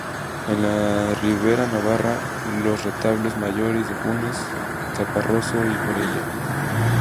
En la Ribera Navarra los retablos mayores de Funes, Caparroso y Corella